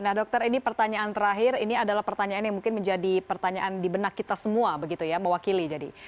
nah dokter ini pertanyaan terakhir ini adalah pertanyaan yang mungkin menjadi pertanyaan di benak kita semua begitu ya mewakili jadi